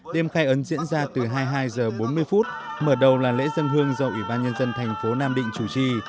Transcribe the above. đêm khai ấn diễn ra từ hai mươi hai h bốn mươi mở đầu là lễ dân hương do ủy ban nhân dân thành phố nam định chủ trì